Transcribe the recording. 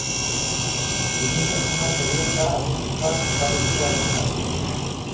Gizentasunak heriotza arriskuak ugaritzea dakar.